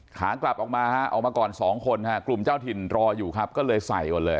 ขากลับออกมาฮะออกมาก่อนสองคนฮะกลุ่มเจ้าถิ่นรออยู่ครับก็เลยใส่ก่อนเลย